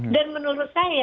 dan menurut saya